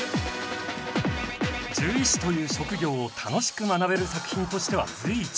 獣医師という職業を楽しく学べる作品としては随一。